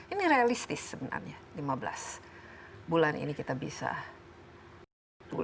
ini realistis sebenarnya lima belas bulan ini kita bisa